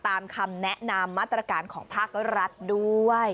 ตามคำแนะนำมาตรการของภาครัฐด้วย